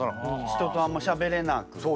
人とあんましゃべれなくて。